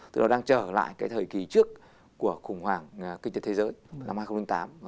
tức là đang trở lại cái thời kỳ trước của khủng hoảng kinh tế thế giới năm hai nghìn tám